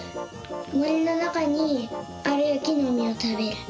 もりのなかにあるきのみをたべる。